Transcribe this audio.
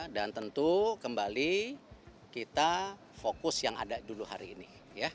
dan tentu kembali kita fokus yang ada dulu hari ini